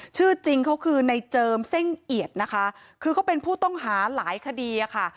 ชื่อจริงเขาคือในเจิมเส้งเอียดนะคะคือเขาเป็นผู้ต้องหาหลายคดีอะค่ะ